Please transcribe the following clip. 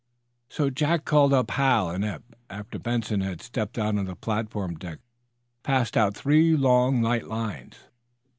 So Jack called up Hal and Eph. After Benson had stepped out on the platform deck Hal passed out three long, light lines.